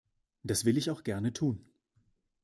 Das will ich auch gerne tun.